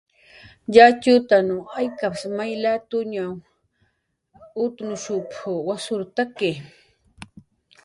"yatxutan aykaps may lataw utnushp"" wasurtaki."